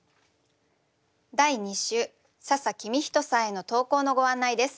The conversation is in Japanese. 第２週笹公人さんへの投稿のご案内です。